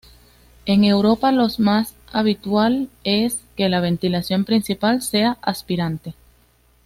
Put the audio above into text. En Europa los más habitual es que la ventilación principal sea aspirante.